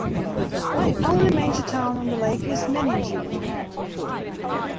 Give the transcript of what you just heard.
The only major town on the lake is Meningie.